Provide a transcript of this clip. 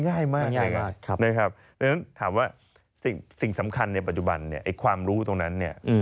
ง่ายมากในฉะนั้นถามว่าสิ่งสำคัญในปัจจุบันความรู้ตรงนั้น